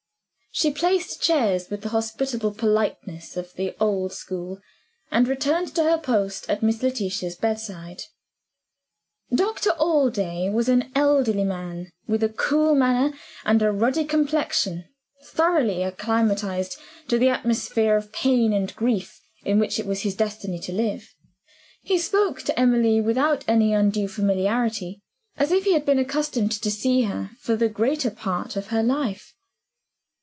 She placed chairs with the hospitable politeness of the old school and returned to her post at Miss Letitia's bedside. Doctor Allday was an elderly man, with a cool manner and a ruddy complexion thoroughly acclimatized to the atmosphere of pain and grief in which it was his destiny to live. He spoke to Emily (without any undue familiarity) as if he had been accustomed to see her for the greater part of her life.